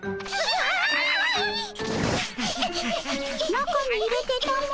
中に入れてたも。